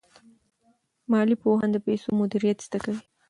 مالي پوهان د پیسو مدیریت زده کوي.